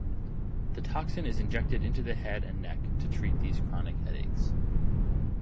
The toxin is injected into the head and neck to treat these chronic headaches.